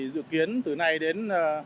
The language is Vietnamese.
dự kiến từ nay đến